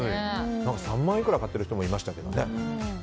３万いくら買ってる人もいましたけど。